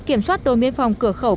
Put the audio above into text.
kiểm soát đồn biên phòng cửa khẩu